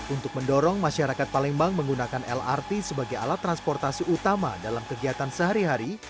untuk mendorong masyarakat palembang menggunakan lrt sebagai alat transportasi utama dalam kegiatan sehari hari